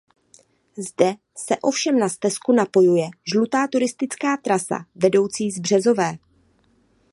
Zde se ovšem na stezku napojuje žlutá turistická trasa vedoucí z Březové.